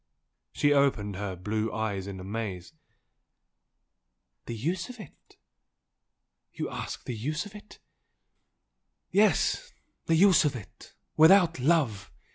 She opened her deep blue eyes in amaze. "The use of it?... You ask the use of it? " "Yes the use of it without love!"